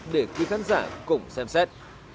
để quý khán giả cùng xem xét